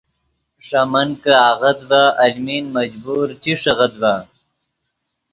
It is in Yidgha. ݰے من کہ آغت ڤے المین مجبور چی ݰیغیت ڤے